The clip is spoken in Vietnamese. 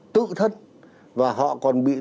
tự thất và họ còn bị